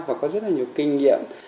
và có rất nhiều kinh nghiệm